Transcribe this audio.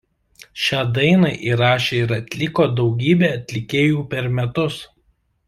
Šią dainą įrašė ir atliko daugybė atlikėjų per metus.